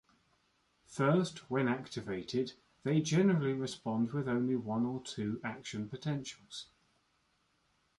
First, when activated, they generally respond with only one or two action potentials.